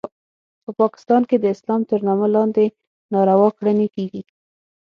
په پاکستان کې د اسلام تر نامه لاندې ناروا کړنې کیږي